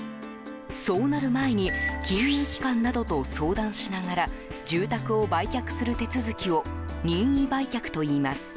そうなる前に金融機関などと相談しながら住宅を売却する手続きを任意売却といいます。